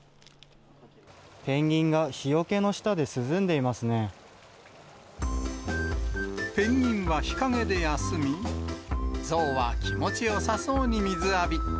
ペンギンが日よけの下で涼んペンギンは日陰で休み、ゾウは気持ちよさそうに水浴び。